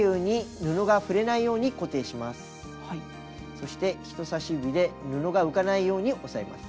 そして人さし指で布が浮かないように押さえます。